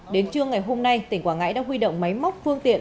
đến trưa ngày hôm nay tỉnh quảng ngãi đã huy động máy móc phương tiện